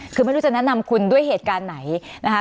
คือไม่รู้จะแนะนำคุณด้วยเหตุการณ์ไหนนะคะ